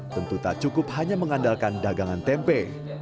tentu tak cukup hanya mengandalkan dagangan tempe